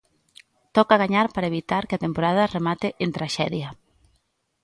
Toca gañar para evitar que a temporada remate en traxedia.